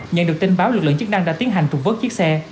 nhận được tin báo lực lượng chức năng đã tiến hành trục vớt chiếc xe